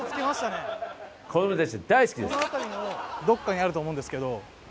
この辺りのどこかにあると思うんですけど。